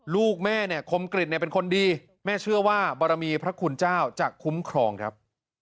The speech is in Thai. ลูกแม่เนี่ยคมกริจเป็นคนดีแม่เชื่อว่าบารมีพระคุณเจ้าจะคุ้มครองครับ